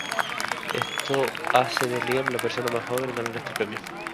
Esto hace de Liam la persona más joven en ganar este premio.